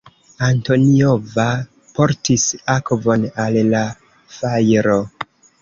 Antoniova portis akvon al la fajro.